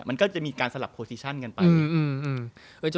มันต้องมีหนังที่แบบ